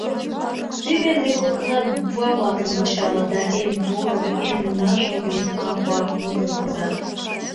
Теве ынде коктынат буква-влакым кычалыт да эн поро, эн ныжылге «АВА» мутым возат.